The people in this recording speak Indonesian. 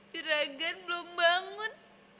kiragan belum bangun